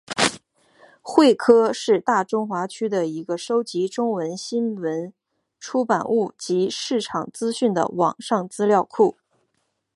慧科是大中华区的一个收集中文新闻出版物及市场资讯的网上资料库。